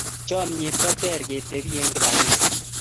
chamiet ko ter ketebi eng kibang'eng'e